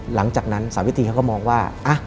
หลังจากนั้นสาวิตรีเขาก็มองว่า